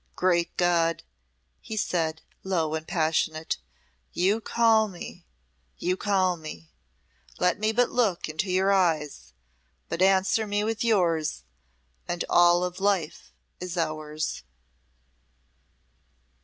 "Great God!" he said, low and passionate, "you call me, you call me! Let me but look into your eyes but answer me with yours and all of Life is ours!"